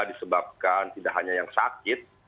disebabkan tidak hanya yang sakit